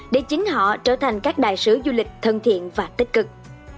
để chính họ trở thành các đại sứ du lịch thân thiện và tích cực